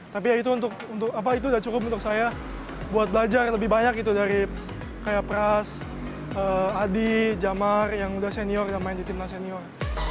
tapi ya itu udah cukup untuk saya buat belajar lebih banyak gitu dari kayak pras adi jamar yang udah senior yang main di timnas senior